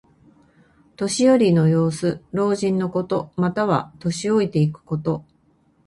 年寄りの様子。老人のこと。または、年老いていくこと。